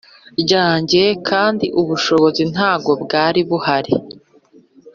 ryanjye kandi ubushobozi ntabwo bwari buhari,